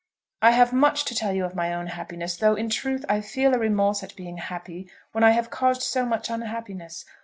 I have much to tell you of my own happiness, though, in truth, I feel a remorse at being happy when I have caused so much unhappiness.